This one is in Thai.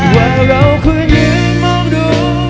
ว่าเราเคยยืนมองดู